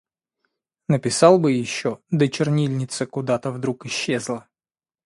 Написал бы ещё, да чернильница куда-то вдруг исчезла.